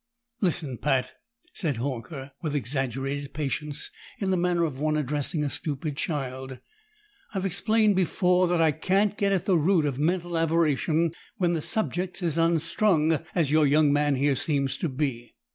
"Listen, Pat," said Horker with exaggerated patience, in the manner of one addressing a stupid child, "I've explained before that I can't get at the root of a mental aberration when the subject's as unstrung as your young man here seems to be.